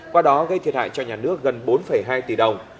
qua đó gây thiệt hại cho nhà nước gần bốn hai tỷ đồng